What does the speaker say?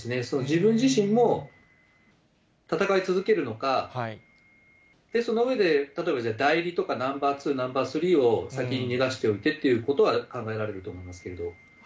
その自分自身も戦い続けるのか、その上で、例えばじゃあ、代理とかナンバー２、ナンバー３を先に逃がしておいてということは考えられると思いますけれども。